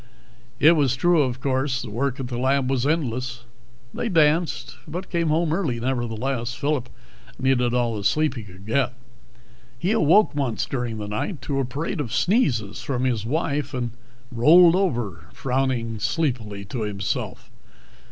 It was true, of course. The work at the lab was endless. They danced, but came home early nevertheless. Phillip needed all the sleep he could get. He awoke once during the night to a parade of sneezes from his wife, and rolled over, frowning sleepily to himself.